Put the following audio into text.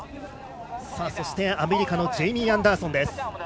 アメリカのジェイミー・アンダーソンです。